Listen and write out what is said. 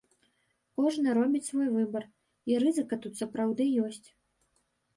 Кожны робіць свой выбар, і рызыка тут сапраўды ёсць.